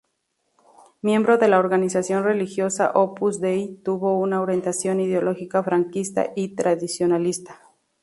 Miembro de la organización religiosa Opus Dei, tuvo una orientación ideológica franquista y tradicionalista.